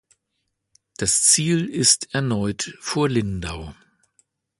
Das Ziel ist erneut vor Lindau.